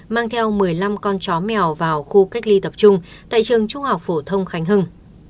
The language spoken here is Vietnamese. mang theo một mươi năm con chó mèo vào khu cách ly tập trung tại trường trung học phổ thông khánh hưng